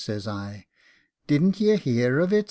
says I. "Didn't ye hear of it?"